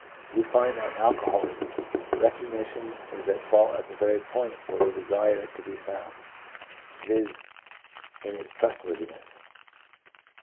We find that in alcoholism recognition is at fault at the very point where we desire it to be sound — viz., in its trustworthiness.